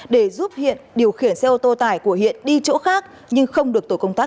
để giúp hiện điều khiển xe ô tô tải của hiện đi chỗ khác nhưng không được tổ công tác